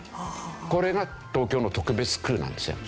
これが東京の特別区なんですよ。